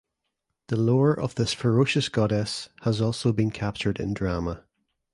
The lore of this ferocious goddess has also been captured in drama.